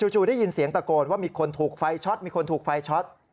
จู่ได้ยินเสียงตะโกนว่ามีคนถูกไฟช็อต